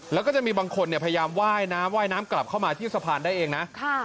แล้วก็จะมีบางคนพยายามไหว้น้ำว่ายน้ำกลับเข้ามาที่สะพานได้เองนะ